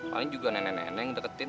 paling juga nenek nenek yang deketin